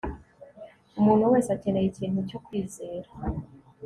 Umuntu wese akeneye ikintu cyo kwizera